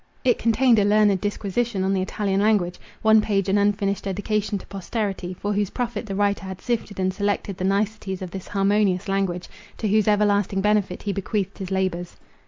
It contained a learned disquisition on the Italian language; one page an unfinished dedication to posterity, for whose profit the writer had sifted and selected the niceties of this harmonious language —to whose everlasting benefit he bequeathed his labours.